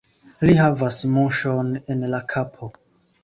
Li havas muŝon en la kapo.